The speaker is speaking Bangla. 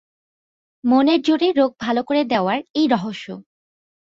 মনের জোরে রোগ ভাল করে দেওয়ার এই রহস্য।